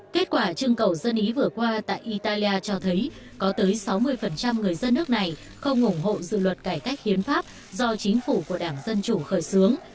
kết quả trưng cầu dân ý vừa qua tại italia cho thấy có tới sáu mươi người dân nước này không ủng hộ dự luật cải cách hiến pháp do chính phủ của đảng dân chủ khởi xướng